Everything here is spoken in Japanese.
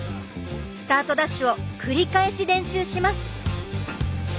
スタートダッシュを繰り返し練習します。